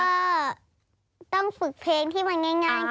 ก็ต้องฝึกเพลงที่มันง่ายก่อนฝันแล้วค่ะ